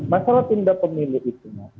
masalah tunda pemilu itu